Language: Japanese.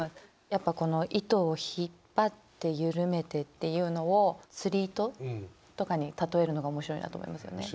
やっぱこの糸を引っ張って緩めてっていうのを釣り糸とかに例えるのが面白いなと思いますよね。